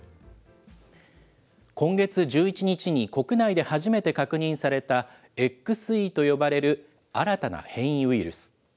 今月１１日に国内で初めて確認された、ＸＥと呼ばれる新たな変異ウイルス。